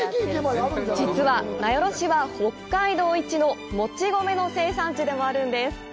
実は名寄市は、北海道一のもち米の生産地でもあるんです。